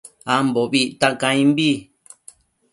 Ambobi icta caimbi